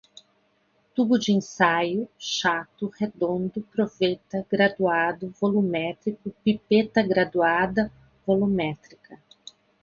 tubo de ensaio, chato, redondo, proveta, graduado, volumétrico, pipeta graduada, volumétrica